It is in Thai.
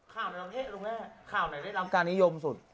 ข่าวในประเทศลูกแม่ข่าวไหนได้รับการิยมสุด